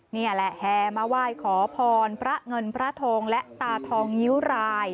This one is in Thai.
นี่แหละแห่มาไหว้ขอพรพระเงินพระทองและตาทองงิ้วราย